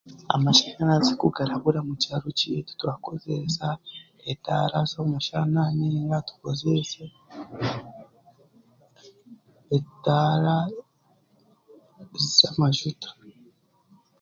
Amashanyarazi ku garabura mu kyaro kyaitu turakozeesa etaara z'omushana nainga tukozeese etaara z'amajuta.